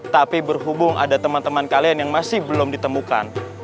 tapi berhubung ada teman teman kalian yang masih belum ditemukan